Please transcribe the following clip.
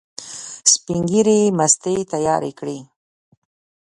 سپین ږیري مستې تیارې کړې.